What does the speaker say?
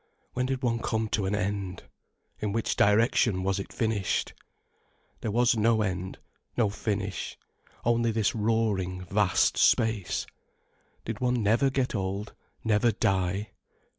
When did one come to an end? In which direction was it finished? There was no end, no finish, only this roaring vast space. Did one never get old, never die?